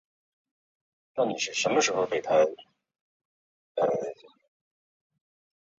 化工路是常见的路名。